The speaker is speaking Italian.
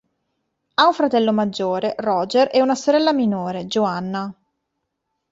Ha un fratello maggiore, Roger, e una sorella minore, Joanna.